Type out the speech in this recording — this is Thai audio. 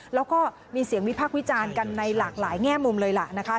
แล้วก็มีเสียงวิพักษ์วิจารณ์กันในหลากหลายแง่มุมเลยล่ะนะคะ